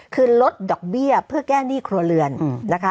คือลดดอกเบี้ยเพื่อแก้หนี้ครัวเรือนนะคะ